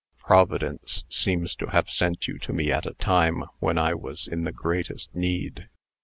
Providence seems to have sent you to me at a time when I was in the greatest need.